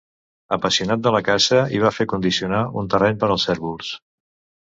Apassionat de la caça, hi va fer condicionar un terreny per als cérvols.